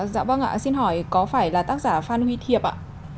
dạ vâng ạ xin hỏi có phải là tác giả phan huy thiệp ạ